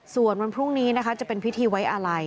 ส่วนวันพรุ่งนี้นะคะจะเป็นพิธีไว้อาลัย